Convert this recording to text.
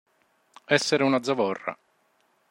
Essere una zavorra.